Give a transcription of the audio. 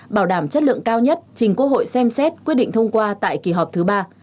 bảo đảm chất lượng cao nhất trình quốc hội xem xét quyết định thông qua tại kỳ họp thứ ba